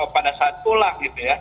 pada saat pulang gitu ya